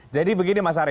jadi begini mas ari